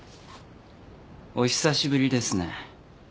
お久しぶりですね